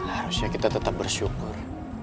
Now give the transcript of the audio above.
harusnya kita tetap bersyukur